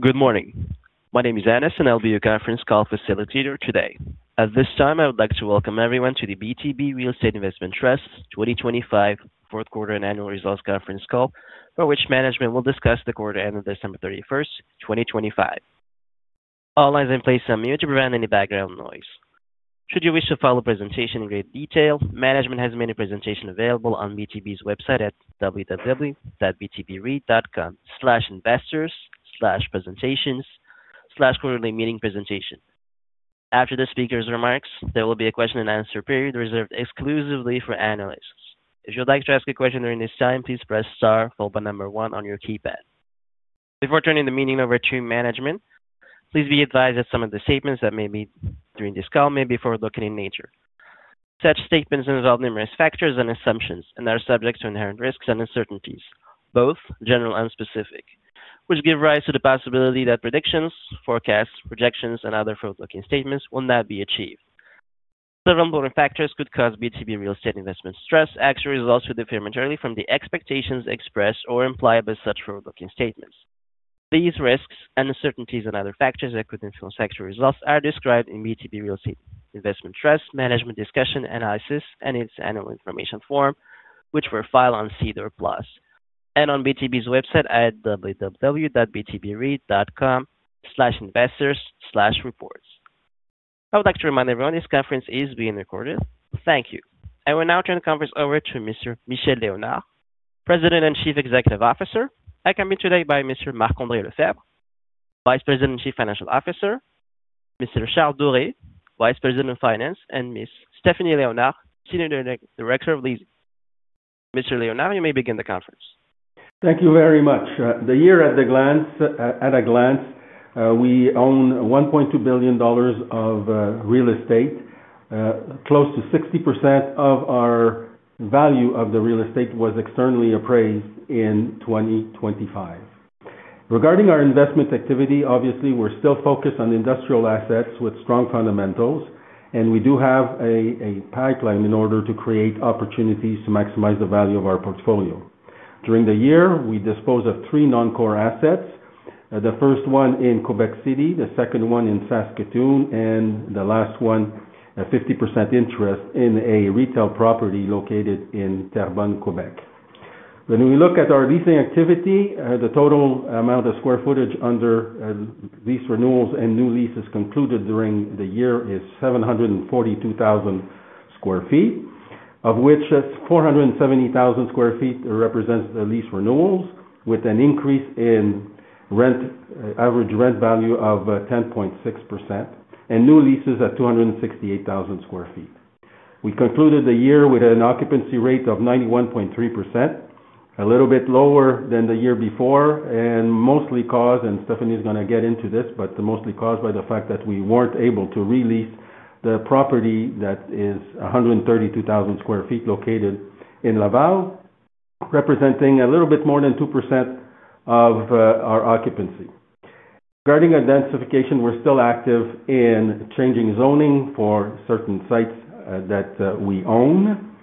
Good morning. My name is Anas, and I'll be your conference call facilitator today. At this time, I would like to welcome everyone to the BTB Real Estate Investment Trust's 2025 fourth quarter and annual results conference call, for which management will discuss the quarter end of December 31st, 2025. All lines in place are muted to prevent any background noise. Should you wish to follow the presentation in great detail, management has many presentations available on BTB's website at www.btbreit.com/investors/presentations/quarterlymeetingpresentation. After the speaker's remarks, there will be a question and answer period reserved exclusively for analysts. If you'd like to ask a question during this time, please press star, followed by one on your keypad. Before turning the meeting over to management, please be advised that some of the statements that may be during this call may be forward-looking in nature. Such statements involve numerous factors and assumptions and are subject to inherent risks and uncertainties, both general and specific, which give rise to the possibility that predictions, forecasts, projections, and other forward-looking statements will not be achieved. Several important factors could cause BTB Real Estate Investment Trust actual results to differ materially from the expectations expressed or implied by such forward-looking statements. These risks and uncertainties and other factors that could influence actual results are described in BTB Real Estate Investment Trust, Management Discussion Analysis, and its annual information form, which were filed on SEDAR+ and on BTB's website at www.btbreit.com/investors/reports. I would like to remind everyone this conference is being recorded. Thank you. I will now turn the conference over to Mr. Michel Léonard, President and Chief Executive Officer, accompanied today by Mr. Marc-André Lefebvre, Vice President and Chief Financial Officer. Charles Doret, Vice President of Finance, and Miss. Stéphanie Léonard, Senior Director of Leasing. Mr. Léonard, you may begin the conference. Thank you very much. The year at the glance, at a glance, we own 1.2 billion dollars of real estate. Close to 60% of our value of the real estate was externally appraised in 2025. Regarding our investment activity, obviously, we're still focused on industrial assets with strong fundamentals, and we do have a pipeline in order to create opportunities to maximize the value of our portfolio. During the year, we disposed of three non-core assets. The first one in Quebec City, the second one in Saskatoon, and the last one, a 50% interest in a retail property located in Terrebonne, Quebec. When we look at our leasing activity, the total amount of square footage under lease renewals and new leases concluded during the year is 742,000 sq ft, of which 470,000 sq ft represents the lease renewals, with an increase in average rent value of 10.6% and new leases at 268,000 sq ft. We concluded the year with an occupancy rate of 91.3%, a little bit lower than the year before, and mostly caused, and Stéphanie is going to get into this, but mostly caused by the fact that we weren't able to re-lease the property that is 132,000 sq ft, located in Laval, representing a little bit more than 2% of our occupancy. Regarding densification, we're still active in changing zoning for certain sites that we own.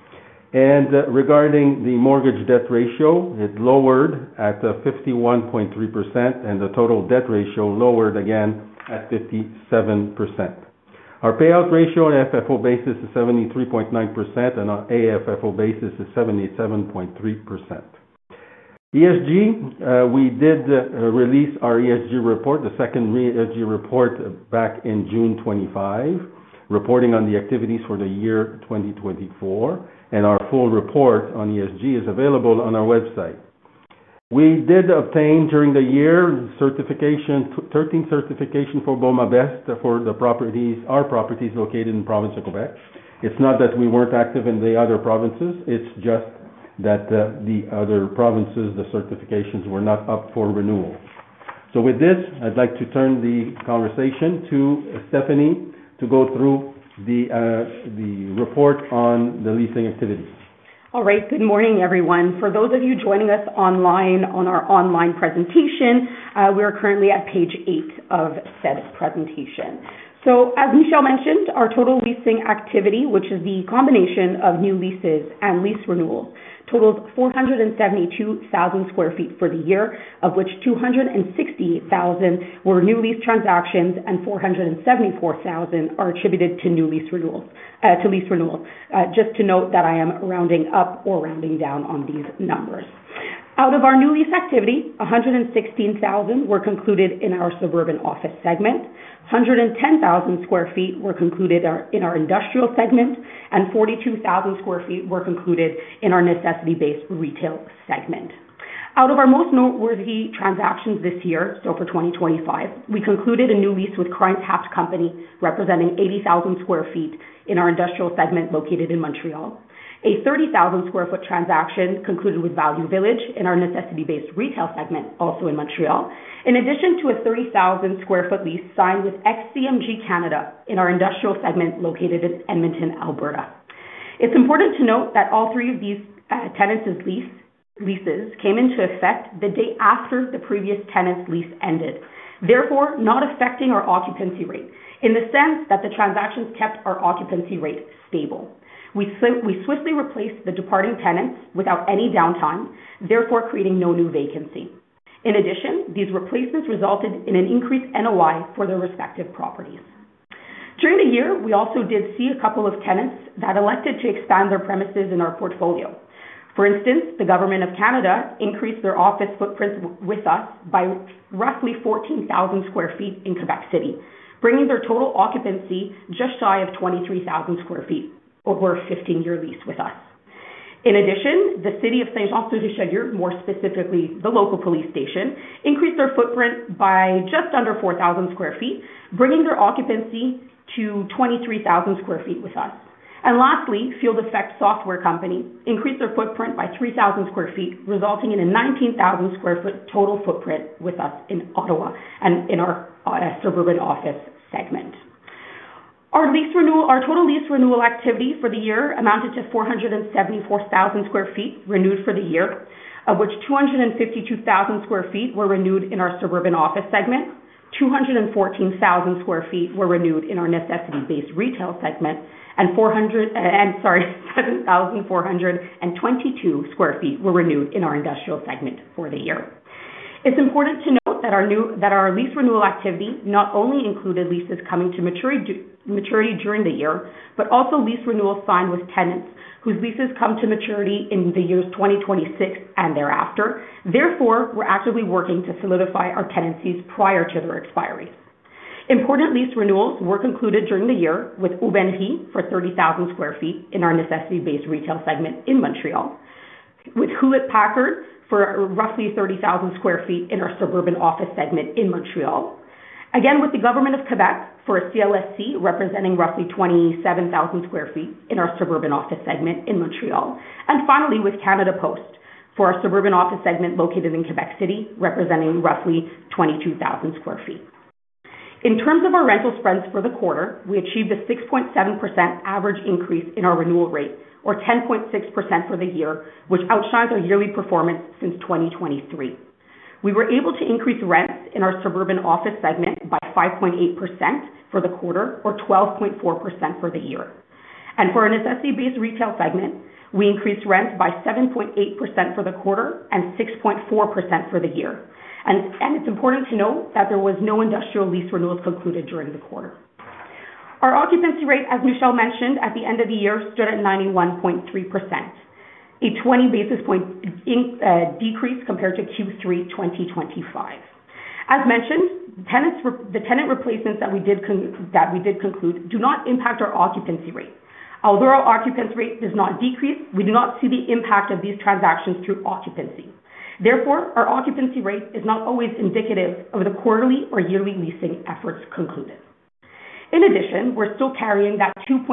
Regarding the mortgage debt ratio, it lowered at a 51.3%, and the total debt ratio lowered again at 57%. Our payout ratio on FFO basis is 73.9%, and our AFFO basis is 77.3%. ESG, we did release our ESG report, the second ESG report, back in June 25, reporting on the activities for the year 2024, and our full report on ESG is available on our website. We did obtain, during the year, 13 certifications for BOMA BEST for the properties, our properties located in the province of Quebec. It's not that we weren't active in the other provinces, it's just that the other provinces, the certifications were not up for renewal. With this, I'd like to turn the conversation to Stéphanie to go through the report on the leasing activities. All right. Good morning, everyone. For those of you joining us online on our online presentation, we are currently at page eight of said presentation. As Michel mentioned, our total leasing activity, which is the combination of new leases and lease renewals, totals 472,000 sq ft for the year, of which 268,000 were new lease transactions and 474,000 are attributed to new lease renewals, to lease renewals. Just to note that I am rounding up or rounding down on these numbers. Out of our new lease activity, 116,000 were concluded in our suburban office segment, 110,000 sq ft were concluded in our industrial segment, and 42,000 sq ft were concluded in our necessity-based retail segment. Our most noteworthy transactions this year, so for 2025, we concluded a new lease with Crown Tax Company, representing 80,000 sq ft in our industrial segment located in Montreal. A 30,000 sq ft transaction concluded with Value Village in our necessity-based retail segment, also in Montreal, in addition to a 30,000 sq ft lease signed with XCMG Canada in our industrial segment located in Edmonton, Alberta. It's important to note that all three of these tenants' leases came into effect the day after the previous tenant's lease ended, therefore, not affecting our occupancy rate in the sense that the transactions kept our occupancy rate stable. We swiftly replaced the departing tenants without any downtime, therefore, creating no new vacancy. These replacements resulted in an increased NOI for their respective properties. During the year, we also did see a couple of tenants that elected to expand their premises in our portfolio. For instance, the Government of Canada increased their office footprint with us by roughly 14,000 sq ft in Quebec City, bringing their total occupancy just shy of 23,000 sq ft over a 15-year lease with us. In addition, the City of Saint-Jean-sur-Richelieu, more specifically, the local police station, increased their footprint by just under 4,000 sq ft, bringing their occupancy to 23,000 sq ft with us. Lastly, Field Effect Software Company increased their footprint by 3,000 sq ft, resulting in a 19,000 sq ft total footprint with us in Ottawa and in our suburban office segment. Our total lease renewal activity for the year amounted to 474,000 sq ft renewed for the year, of which 252,000 sq ft were renewed in our suburban office segment. 214,000 sq ft were renewed in our necessity-based retail segment, sorry, 7,422 sq ft were renewed in our industrial segment for the year. It's important to note that our lease renewal activity not only included leases coming to maturity during the year, but also lease renewals signed with tenants whose leases come to maturity in the years 2026 and thereafter. We're actively working to solidify our tenancies prior to their expiry. Important lease renewals were concluded during the year with L'Aubainerie for 30,000 sq ft in our necessity-based retail segment in Montreal, with Hewlett-Packard for roughly 30,000 sq ft in our suburban office segment in Montreal. Again, with the Government of Quebec for a CLSC, representing roughly 27,000 sq ft in our suburban office segment in Montreal. Finally, with Canada Post for our suburban office segment located in Quebec City, representing roughly 22,000 sq ft. In terms of our rental spreads for the quarter, we achieved a 6.7% average increase in our renewal rate, or 10.6% for the year, which outshines our yearly performance since 2023. We were able to increase rents in our suburban office segment by 5.8% for the quarter, or 12.4% for the year. For our necessity-based retail segment, we increased rents by 7.8% for the quarter and 6.4% for the year. It's important to note that there was no industrial lease renewals concluded during the quarter. Our occupancy rate, as Michelle mentioned, at the end of the year, stood at 91.3%, a 20 basis point decrease compared to Q3 2025. As mentioned, the tenant replacements that we did conclude do not impact our occupancy rate. Although our occupancy rate does not decrease, we do not see the impact of these transactions through occupancy. Therefore, our occupancy rate is not always indicative of the quarterly or yearly leasing efforts concluded. In addition, we're still carrying that 2.2%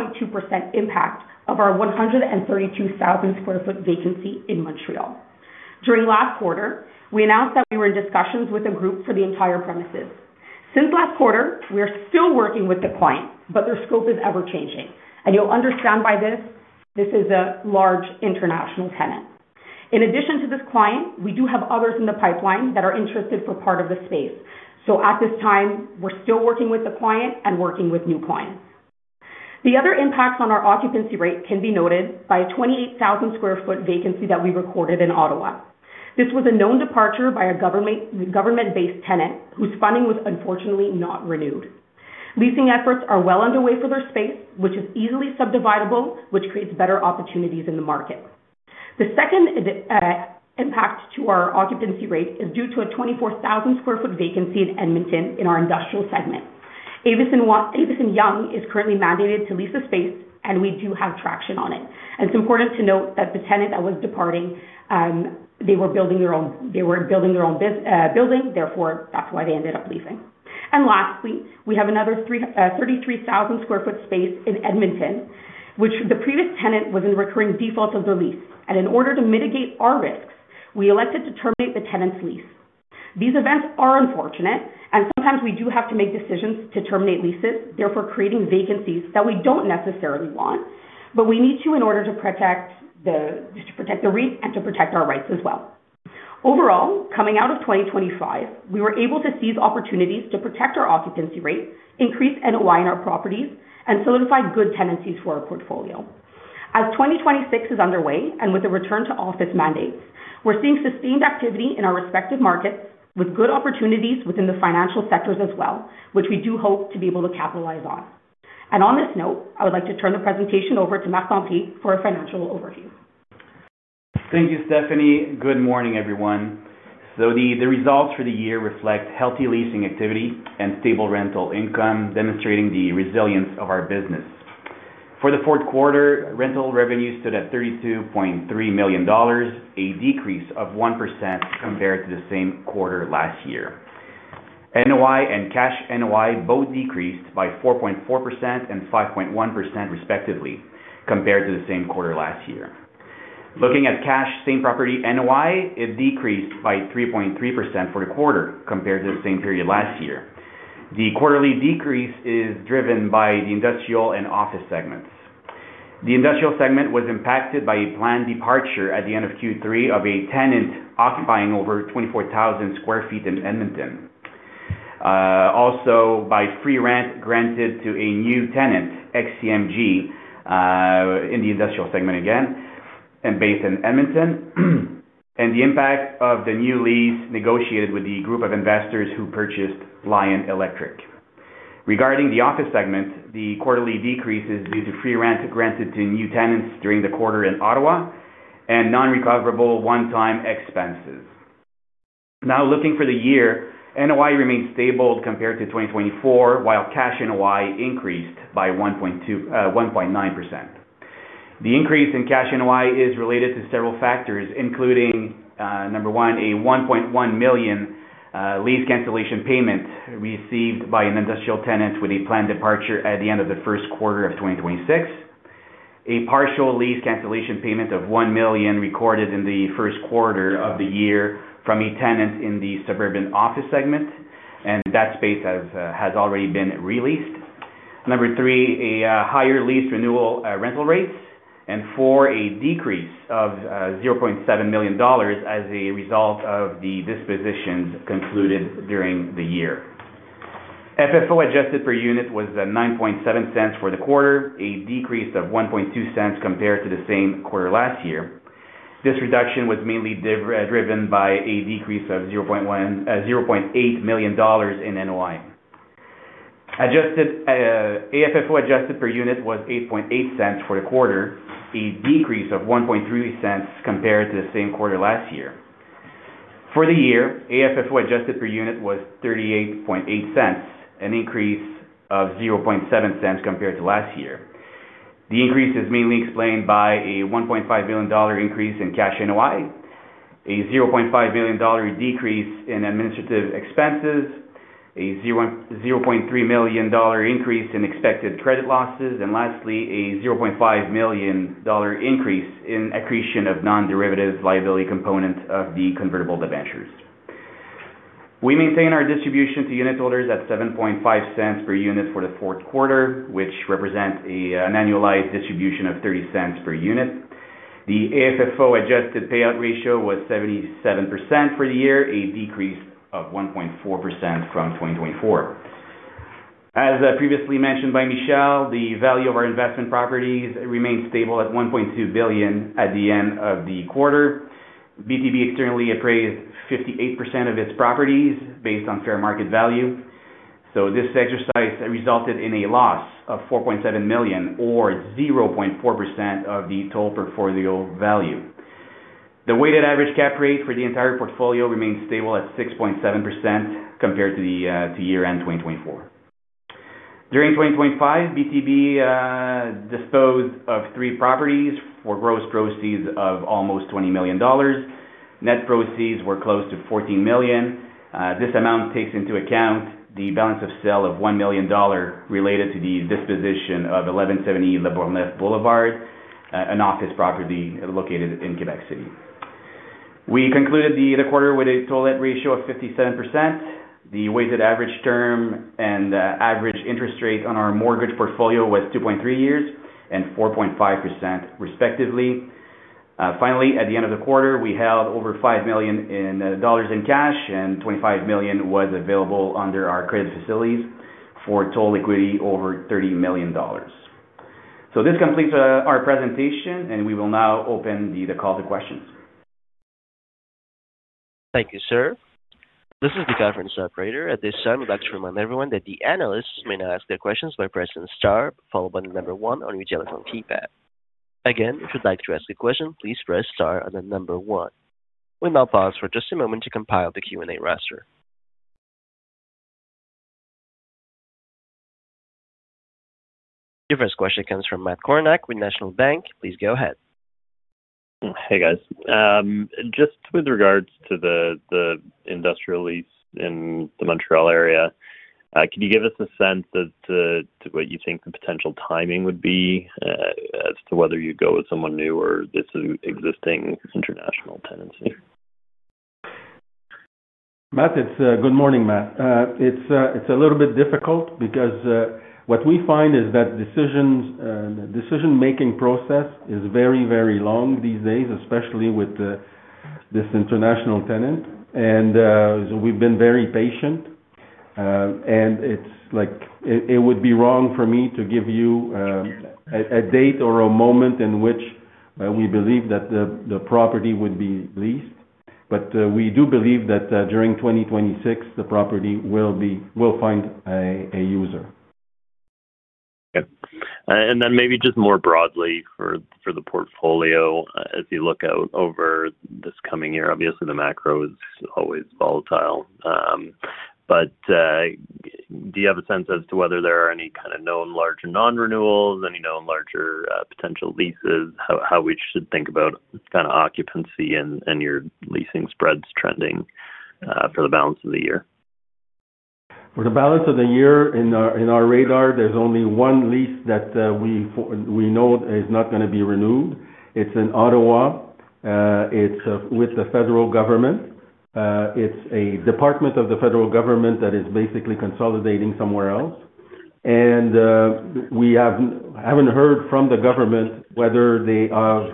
impact of our 132,000 sq ft vacancy in Montreal. During last quarter, we announced that we were in discussions with a group for the entire premises. Since last quarter, we are still working with the client, but their scope is ever changing. You'll understand by this is a large international tenant. In addition to this client, we do have others in the pipeline that are interested for part of the space. At this time, we're still working with the client and working with new clients. The other impacts on our occupancy rate can be noted by a 28,000 sq ft vacancy that we recorded in Ottawa. This was a known departure by a government-based tenant, whose funding was unfortunately not renewed. Leasing efforts are well underway for their space, which is easily subdividable, which creates better opportunities in the market. The second impact to our occupancy rate is due to a 24,000 sq ft vacancy in Edmonton in our industrial segment. Avison Young is currently mandated to lease the space, we do have traction on it. It's important to note that the tenant that was departing, they were building their own building. Therefore, that's why they ended up leasing. Lastly, we have another 33,000 sq ft space in Edmonton, which the previous tenant was in recurring default of the lease. In order to mitigate our risks, we elected to terminate the tenant's lease. These events are unfortunate, and sometimes we do have to make decisions to terminate leases, therefore creating vacancies that we don't necessarily want. We need to in order to protect the REIT and to protect our rights as well. Overall, coming out of 2025, we were able to seize opportunities to protect our occupancy rate, increase NOI in our properties, and solidify good tenancies for our portfolio. As 2026 is underway, with the return to office mandates, we're seeing sustained activity in our respective markets with good opportunities within the financial sectors as well, which we do hope to be able to capitalize on. On this note, I would like to turn the presentation over to Marc-André for a financial overview. Thank you, Stephanie. Good morning, everyone. The results for the year reflect healthy leasing activity and stable rental income, demonstrating the resilience of our business. For the fourth quarter, rental revenue stood at 32.3 million dollars, a decrease of 1% compared to the same quarter last year. NOI and cash NOI both decreased by 4.4% and 5.1%, respectively, compared to the same quarter last year. Looking at cash same-property NOI, it decreased by 3.3% for the quarter compared to the same period last year. The quarterly decrease is driven by the industrial and office segments. The industrial segment was impacted by a planned departure at the end of Q3 of a tenant occupying over 24,000 sq ft in Edmonton. Also by free rent granted to a new tenant, XCMG, in the industrial segment again. Based in Edmonton, and the impact of the new lease negotiated with the group of investors who purchased Lion Electric. Regarding the office segment, the quarterly decrease is due to free rent granted to new tenants during the quarter in Ottawa and non-recoverable one-time expenses. Looking for the year, NOI remains stable compared to 2024, while cash NOI increased by 1.9%. The increase in cash NOI is related to several factors, including number one, a 1.1 million lease cancellation payment received by an industrial tenant with a planned departure at the end of the first quarter of 2026. A partial lease cancellation payment of 1 million recorded in the first quarter of the year from a tenant in the suburban office segment, and that space has already been re-leased. Number three, a higher lease renewal rental rates, and four, a decrease of 0.7 million dollars as a result of the dispositions concluded during the year. FFO adjusted per unit was at 0.097 for the quarter, a decrease of 0.012 compared to the same quarter last year. This reduction was mainly driven by a decrease of 0.8 million dollars in NOI. Adjusted AFFO adjusted per unit was 0.088 for the quarter, a decrease of 0.013 compared to the same quarter last year. For the year, AFFO adjusted per unit was 0.388, an increase of 0.007 compared to last year. The increase is mainly explained by a 1.5 billion dollar increase in cash NOI, a 0.5 billion dollar decrease in administrative expenses, a 0.3 million dollar increase in expected credit losses, and lastly, a 0.5 million dollar increase in accretion of non-derivative liability components of the convertible debentures. We maintain our distribution to unit holders at 0.075 per unit for the fourth quarter, which represents an annualized distribution of 0.30 per unit. The AFFO adjusted payout ratio was 77% for the year, a decrease of 1.4% from 2024. As previously mentioned by Michelle, the value of our investment properties remains stable at 1.2 billion at the end of the quarter. BTB externally appraised 58% of its properties based on fair market value. This exercise resulted in a loss of 4.7 million, or 0.4% of the total portfolio value. The weighted average cap rate for the entire portfolio remains stable at 6.7% compared to the year-end 2024. During 2025, BTB disposed of three properties for gross proceeds of almost 20 million dollars. Net proceeds were close to 14 million. This amount takes into account the balance of sale of 1 million dollars related to the disposition of 1170 Lebourgneuf Boulevard, an office property located in Quebec City. We concluded the quarter with a total debt ratio of 57%. The weighted average term and average interest rate on our mortgage portfolio was 2.3 years and 4.5%, respectively. Finally, at the end of the quarter, we held over 5 million dollars in cash, and 25 million was available under our credit facilities for total equity, over 30 million dollars. This completes our presentation, and we will now open the call to questions. Thank you, sir. This is the conference operator. At this time, I'd like to remind everyone that the analysts may now ask their questions by pressing star, followed by one on your telephone keypad. Again, if you'd like to ask a question, please press star and then one. We'll now pause for just a moment to compile the Q&A roster. Your first question comes from Matt Kornack with National Bank. Please go ahead. Hey, guys. Just with regards to the industrial lease in the Montreal area, can you give us a sense as to what you think the potential timing would be, as to whether you'd go with someone new or this existing international tenancy? Matt, it's... Good morning, Matt. It's a little bit difficult because what we find is that decisions, decision-making process is very, very long these days, especially with this international tenant. So we've been very patient, and it's like, it would be wrong for me to give you a date or a moment in which we believe that the property would be leased. We do believe that during 2026, the property will find a user. Okay. Maybe just more broadly for the portfolio, as you look out over this coming year, obviously, the macro is always volatile. Do you have a sense as to whether there are any kind of known large non-renewals, any known larger potential leases? How we should think about this kind of occupancy and your leasing spreads trending for the balance of the year? For the balance of the year, in our radar, there's only one lease that we know is not gonna be renewed. It's in Ottawa. It's with the federal government. It's a department of the federal government that is basically consolidating somewhere else. We haven't heard from the government whether they have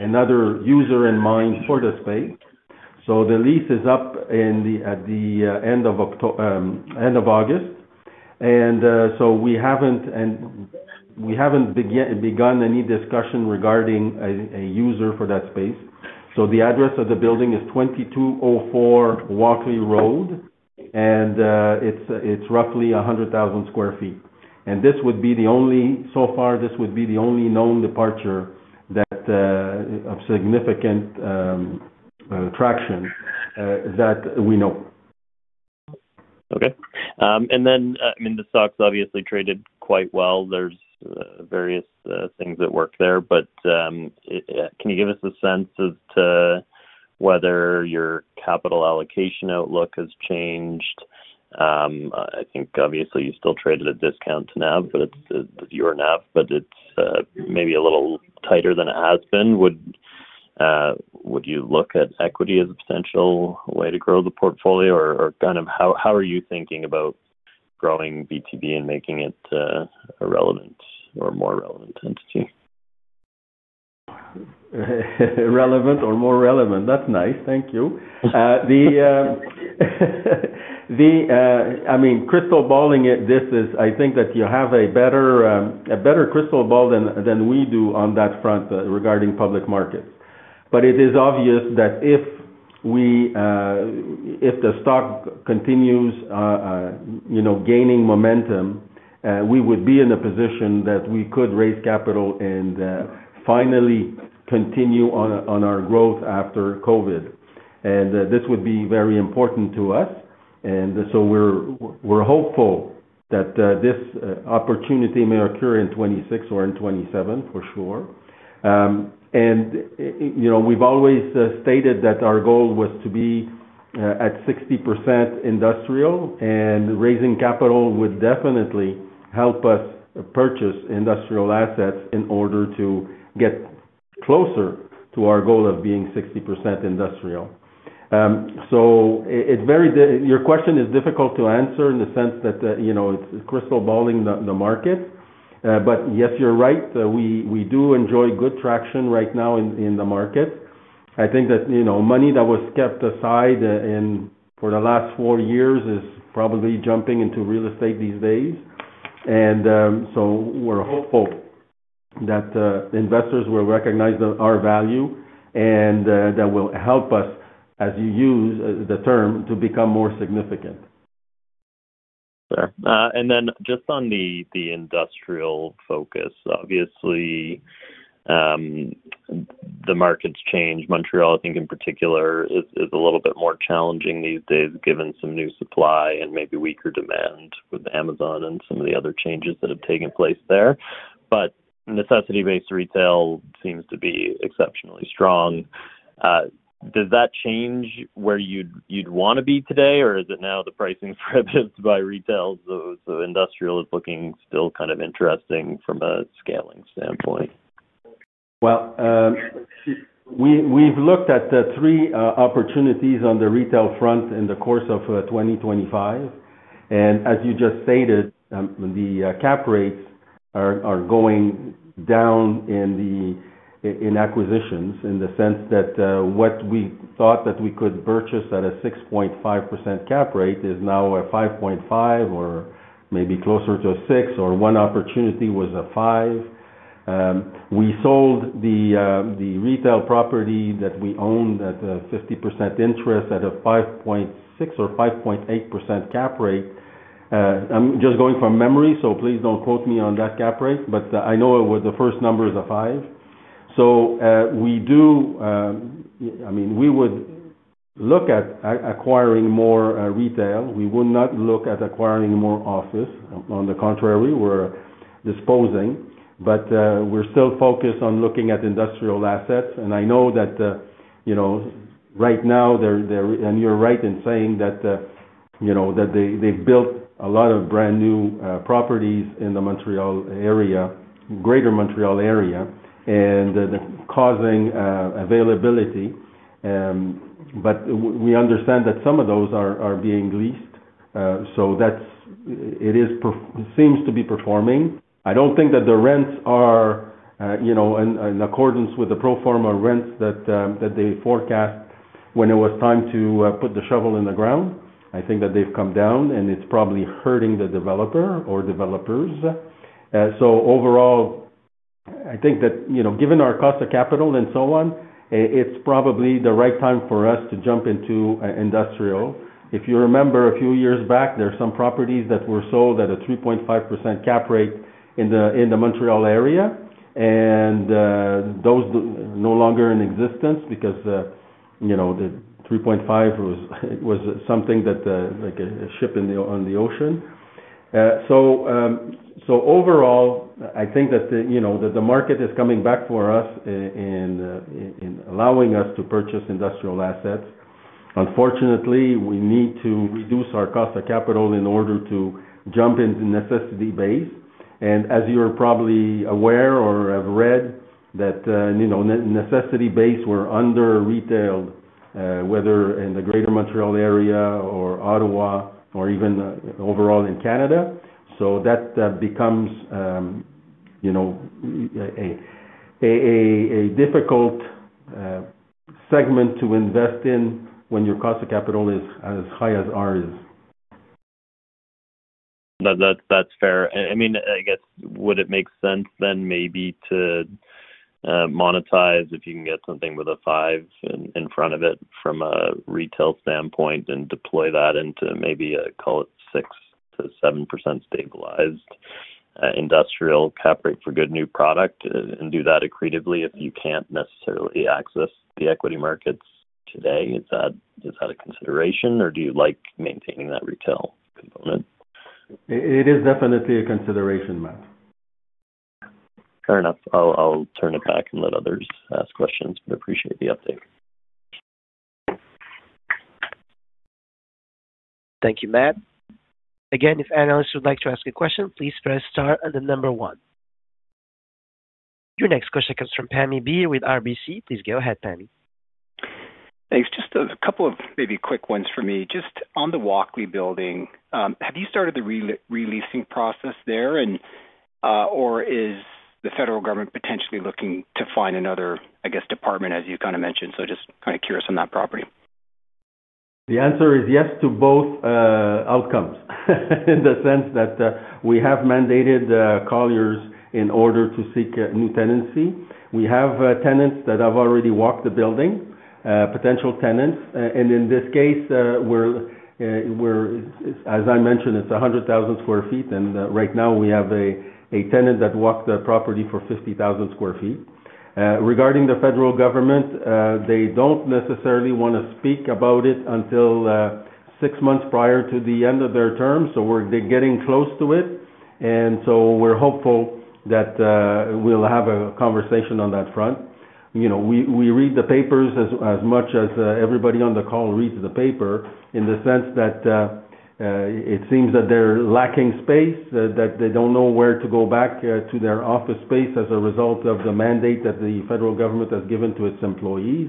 another user in mind for the space. The lease is up at the end of August. We haven't, and we haven't begun any discussion regarding a user for that space. The address of the building is 2204 Walkley Road, it's roughly 100,000 sq ft. So far, this would be the only known departure that of significant traction that we know. Okay. I mean, the stock's obviously traded quite well. There's various things at work there, but can you give us a sense as to whether your capital allocation outlook has changed? I think obviously you still traded a discount to NAV, but it's maybe a little tighter than it has been. Would you look at equity as a potential way to grow the portfolio? Kind of, how are you thinking about growing BTB and making it a relevant or more relevant entity? Relevant or more relevant. That's nice. Thank you. I mean, crystal balling it, this is, I think that you have a better crystal ball than we do on that front regarding public markets. It is obvious that if we if the stock continues, you know, gaining momentum, we would be in a position that we could raise capital and finally continue on our growth after COVID. This would be very important to us, and so we're hopeful that this opportunity may occur in 2026 or in 2027, for sure. You know, we've always stated that our goal was to be at 60% industrial, raising capital would definitely help us purchase industrial assets in order to get closer to our goal of being 60% industrial. Your question is difficult to answer in the sense that, you know, it's crystal balling the market. Yes, you're right, we do enjoy good traction right now in the market. I think that, you know, money that was kept aside for the last 4 years is probably jumping into real estate these days. We're hopeful that investors will recognize our value, that will help us, as you use the term, to become more significant. Sure. Just on the industrial focus, obviously, the market's changed. Montreal, I think, in particular, is a little bit more challenging these days, given some new supply and maybe weaker demand with Amazon and some of the other changes that have taken place there. Necessity-based retail seems to be exceptionally strong. Does that change where you'd wanna be today, or is it now the pricing driven by retail, industrial is looking still kind of interesting from a scaling standpoint? Well, we've looked at the three opportunities on the retail front in the course of 2025. As you just stated, the cap rates are going down in acquisitions, in the sense that what we thought that we could purchase at a 6.5% cap rate is now a 5.5%, or maybe closer to a six, or one opportunity was a five. We sold the retail property that we owned at a 50% interest at a 5.6 or 5.8% cap rate. I'm just going from memory, so please don't quote me on that cap rate, but I know it was the first number is a five. We do, I mean, we would look at acquiring more retail. We would not look at acquiring more office. On the contrary, we're disposing. We're still focused on looking at industrial assets. I know that, you know, right now, and you're right in saying that, you know, that they've built a lot of brand-new properties in the Montreal area, greater Montreal area, causing availability. We understand that some of those are being leased, so that's, it is seems to be performing. I don't think that the rents are, you know, in accordance with the pro forma rents that they forecast when it was time to put the shovel in the ground. I think that they've come down. It's probably hurting the developer or developers. Overall, I think that, you know, given our cost of capital and so on, it's probably the right time for us to jump into industrial. If you remember a few years back, there were some properties that were sold at a 3.5% cap rate in the Montreal area, those no longer in existence because, you know, the 3.5 was something that, like a ship in the, on the ocean. Overall, I think that, you know, that the market is coming back for us in allowing us to purchase industrial assets. Unfortunately, we need to reduce our cost of capital in order to jump into necessity base. As you're probably aware or have read, that, you know, necessity base were under retailed, whether in the greater Montreal area or Ottawa or even overall in Canada. That becomes, you know, a difficult segment to invest in when your cost of capital is as high as ours is. That's fair. I mean, I guess, would it make sense then maybe to monetize if you can get something with a five in front of it from a retail standpoint, and deploy that into maybe a, call it 6%-7% stabilized industrial cap rate for good new product, and do that accretively if you can't necessarily access the equity markets today? Is that a consideration, or do you like maintaining that retail component? It is definitely a consideration, Matt. Fair enough. I'll turn it back and let others ask questions, but appreciate the update. Thank you, Matt. Again, if anyone else would like to ask a question, please press star and then number one. Your next question comes from Pammi Bir with RBC. Please go ahead, Pammi. Thanks. Just a couple of maybe quick ones for me. Just on the Walkley Building, have you started the re-leasing process there, and Or is the Government of Canada potentially looking to find another, I guess, department, as you kind of mentioned? Just kind of curious on that property. The answer is yes to both outcomes. In the sense that, we have mandated Colliers in order to seek new tenancy. We have tenants that have already walked the building, potential tenants. In this case, we're, as I mentioned, it's 100,000 sq ft, and right now we have a tenant that walked the property for 50,000 sq ft. Regarding the federal government, they don't necessarily want to speak about it until six months prior to the end of their term, so we're getting close to it. We're hopeful that we'll have a conversation on that front. You know, we read the papers as much as everybody on the call reads the paper, in the sense that it seems that they're lacking space, that they don't know where to go back to their office space as a result of the mandate that the federal government has given to its employees.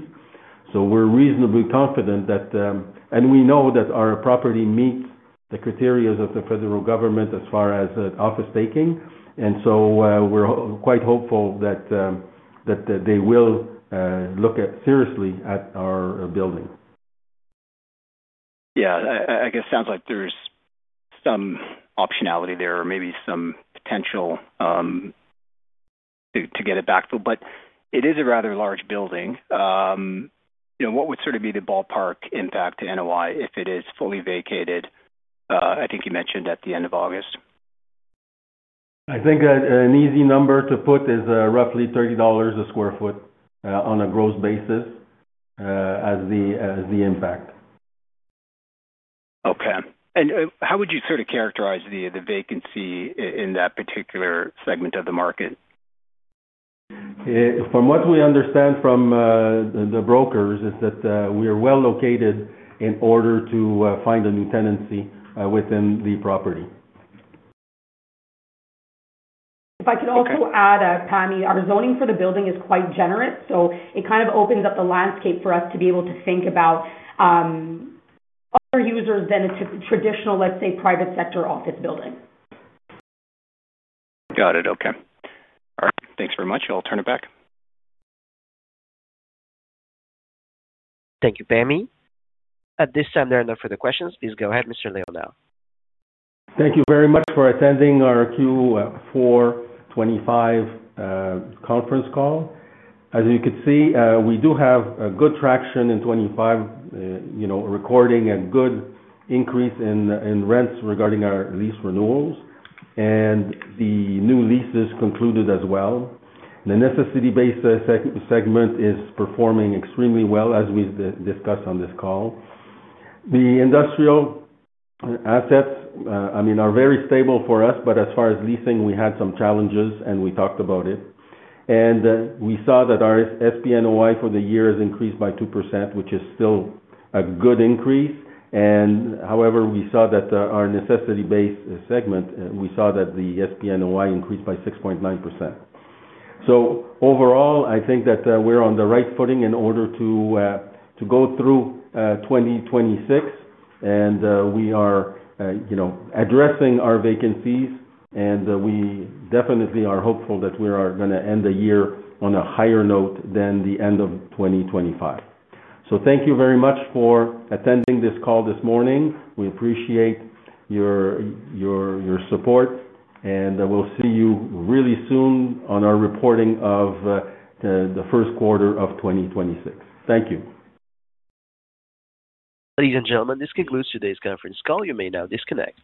We're reasonably confident that. We know that our property meets the criteria of the federal government as far as office taking, we're quite hopeful that that they will look at seriously at our building. Yeah. I guess it sounds like there's some optionality there or maybe some potential to get it back. It is a rather large building. You know, what would sort of be the ballpark impact to NOI if it is fully vacated, I think you mentioned at the end of August? I think an easy number to put is, roughly 30 dollars a sq ft, on a gross basis, as the impact. Okay. how would you sort of characterize the vacancy in that particular segment of the market? From what we understand from, the brokers, is that, we are well located in order to, find a new tenancy, within the property. If I could also add, Pammi, our zoning for the building is quite generous, so it kind of opens up the landscape for us to be able to think about, other users than a traditional, let's say, private sector office building. Got it. Okay. All right. Thanks very much. I'll turn it back. Thank you, Pammi. At this time, there are no further questions. Please go ahead, Mr. Leonel. Thank you very much for attending our Q4 2025 conference call. As you can see, we do have good traction in 2025, you know, recording a good increase in rents regarding our lease renewals and the new leases concluded as well. The necessity-based segment is performing extremely well, as we discussed on this call. The industrial assets, I mean, are very stable for us, but as far as leasing, we had some challenges, and we talked about it. We saw that our SPNOI for the year has increased by 2%, which is still a good increase. However, we saw that our necessity-based segment, we saw that the SPNOI increased by 6.9%. Overall, I think that we're on the right footing in order to go through 2026. We are, you know, addressing our vacancies, and we definitely are hopeful that we are gonna end the year on a higher note than the end of 2025. Thank you very much for attending this call this morning. We appreciate your support, and we'll see you really soon on our reporting of the first quarter of 2026. Thank you. Ladies and gentlemen, this concludes today's conference call. You may now disconnect.